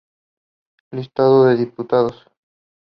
He now has the title of resident conductor with La Verdi.